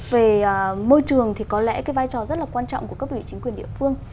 về môi trường thì có lẽ cái vai trò rất là quan trọng của các vị chính quyền địa phương